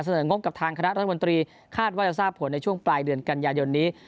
งบกับทางคณะรัฐมนตรีคาดว่าจะทราบผลในช่วงปลายเดือนกันยายนนี้